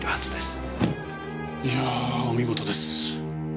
いやーお見事です。